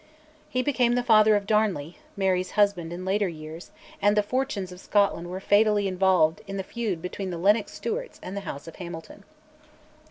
He became the father of Darnley, Mary's husband in later years, and the fortunes of Scotland were fatally involved in the feud between the Lennox Stewarts and the House of Hamilton.